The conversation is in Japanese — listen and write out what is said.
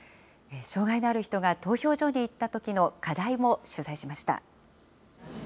障害のある人が投票所に行ったときの課題を取材しました。